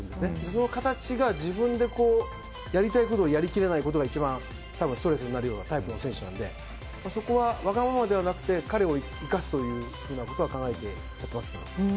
その形が、やり切りたいことがやり切れないのが一番多分、ストレスになるようなタイプの選手なのでそこは、わがままではなくて彼を生かすということは考えていました。